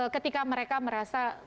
ketika mereka merasa